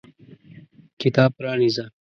کتاب پرانیزه !